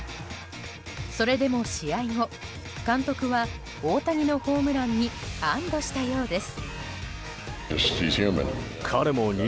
それでも試合後監督は、大谷のホームランに安堵したようです。